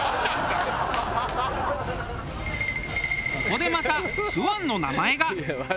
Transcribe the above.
ここでまたすわんの名前が。